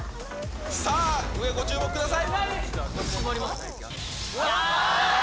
さあ、上ご注目ください。